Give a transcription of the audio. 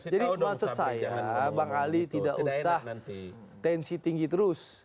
jadi maksud saya bang ali tidak usah tensi tinggi terus